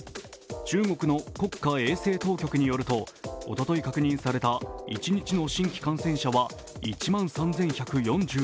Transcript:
中国の国家衛生当局によるとおととい確認された一日の新規感染者は１万３１４６人。